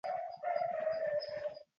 تيس تنفق بالدلال ليشتهى